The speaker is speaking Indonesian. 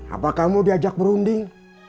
apa kamu diajak berunding